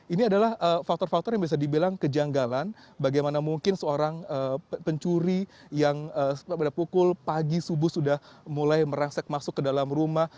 ini adalah faktor faktor yang bisa dibilang kejanggalan bagaimana mungkin seorang pencuri yang pada pukul pagi subuh sudah mulai merangsek masuk ke dalam rumah